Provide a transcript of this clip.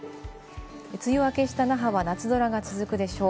梅雨明けした那覇は夏空が続くでしょう。